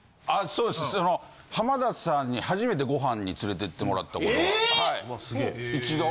その浜田さんに初めてご飯に連れていってもらったことが。